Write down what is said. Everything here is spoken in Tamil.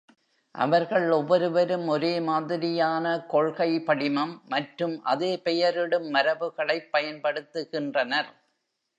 அவர்கள் ஒவ்வொருவரும் ஒரே மாதிரியான கொள்கை படிமம் மற்றும் அதே பெயரிடும் மரபுகளைப் பயன்படுத்துகினறனர்.